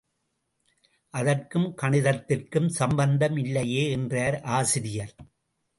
அதற்கும் கணிதத்திற்கும் சம்பந்தம் இல்லையே! என்றார் ஆசிரியர்.